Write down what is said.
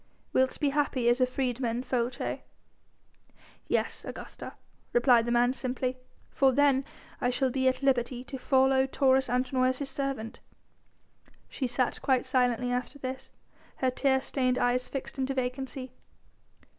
"Wilt be happy as a freedman, Folces?" "Yes, Augusta," replied the man simply, "for then I shall be at liberty to follow Taurus Antinor as his servant." She sat quite silently after this, her tear stained eyes fixed into vacancy.